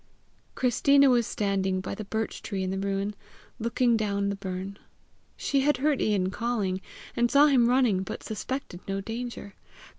Christina was standing by the birch tree in the ruin, looking down the burn. She had heard Ian calling, and saw him running, but suspected no danger.